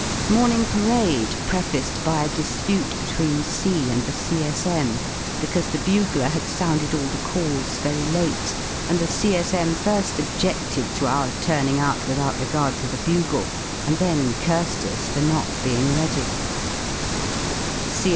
Morning parade prefaced by a dispute between C... and the C.S.M., because the bugler had sounded all the calls very late, and the C.S.xM. fir^ objefted to our turning out without regard to the bugle, and then cursed us for not being ready.